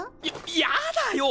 ややだよ！